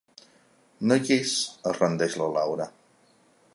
No hi és —es rendeix la Laura.